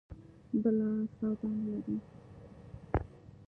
بله سودا نه لري.